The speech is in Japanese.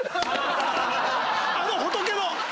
あの仏の。